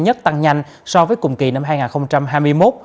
nhất tăng nhanh so với cùng kỳ năm hai nghìn hai mươi một